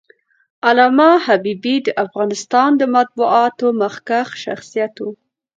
علامه حبيبي د افغانستان د مطبوعاتو مخکښ شخصیت و.